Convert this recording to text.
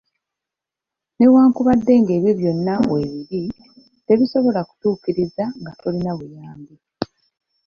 Newankubadde nga ebyo byonna weebiri, tebisobola kutuukirizika nga tolina buyambi.